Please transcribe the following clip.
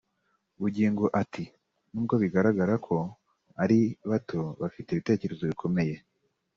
Bugingo ati “Nubwo bigaragara ko ari bato bafite ibitekerezo bikomeye